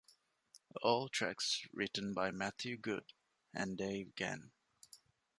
All tracks written by Matthew Good and Dave Genn.